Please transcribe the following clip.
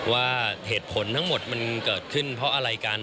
ว่าเหตุผลทั้งหมดมันเกิดขึ้นเพราะอะไรกัน